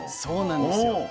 そうなんですよ。